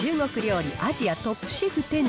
料理アジアトップシェフ１０